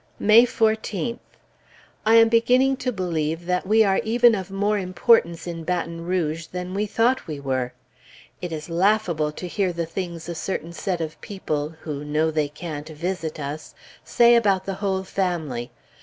May 14th. I am beginning to believe that we are even of more importance in Baton Rouge than we thought we were. It is laughable to hear the things a certain set of people, who know they can't visit us, say about the whole family....